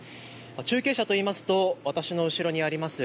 中継車といいますと私の後ろにあります